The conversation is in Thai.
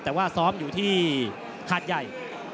แต่ว่าซ้อมอยู่ที่หาดใหญ่